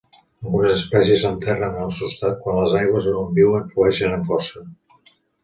Algunes espècies s'enterren en el substrat quan les aigües on viuen flueixen amb força.